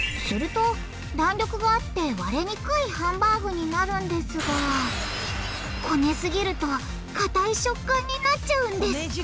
すると弾力があって割れにくいハンバーグになるんですがこねすぎるとかたい食感になっちゃうんです